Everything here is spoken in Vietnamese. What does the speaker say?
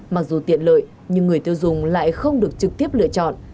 mặc dù tiện lợi nhưng người tiêu dùng lại không được trực tiếp lựa chọn